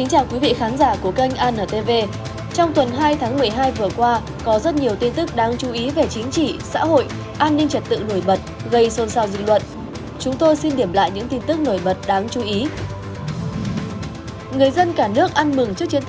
hãy đăng ký kênh để ủng hộ kênh của chúng mình nhé